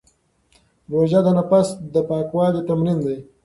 روژه د نفس د پاکوالي تمرین دی.